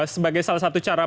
sebagai salah satu cara